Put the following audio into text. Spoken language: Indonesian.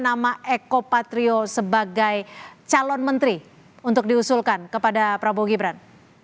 nama eko patrio sebagai calon menteri untuk diusulkan kepada prabowo gibran